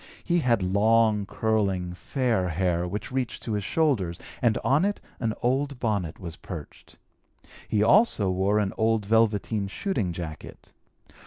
He had long, curling, fair hair which reached to his shoulders and on it an old bonnet was perched. He also wore an old velveteen shooting jacket.